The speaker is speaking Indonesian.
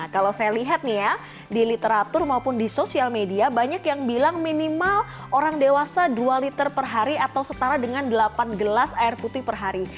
kalau saya lihat nih ya di literatur maupun di sosial media banyak yang bilang minimal orang dewasa dua liter per hari atau setara dengan delapan gelas air putih per hari